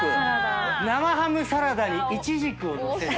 生ハムサラダにイチジクを載せて。